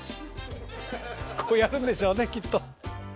こうやるんでしょうねきっと。